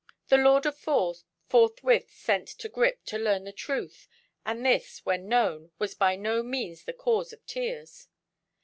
The Lord of Fors forthwith sent to Grip to learn the truth, and this, when known, was by no means the cause of tears.